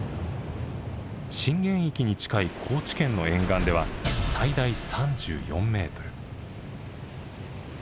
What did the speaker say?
震源域に近い高知県の沿岸では最大３４ｍ。